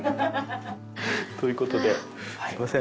という事ですいません。